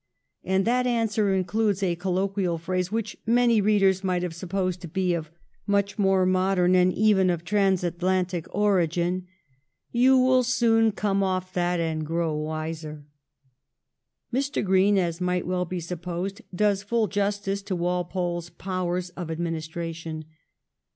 And that answer includes a colloquial phrase which many readers might have supposed to be of much more modern, and even of Transatlantic, origin :' You will soon come off that and grow wiser.' Mr. Green, as might well be supposed, does full justice to Walpole's powers of administration.